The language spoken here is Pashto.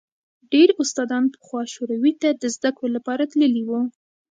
ډېر استادان پخوا شوروي ته د زدکړو لپاره تللي وو.